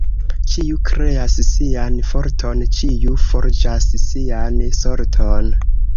Ĉiu kreas sian forton, ĉiu forĝas sian sorton.